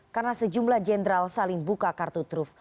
karena sejumlah jenderal saling buka kartu truf